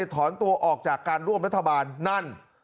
ถอนตัวออกจากการร่วมรัฐบาลนั่น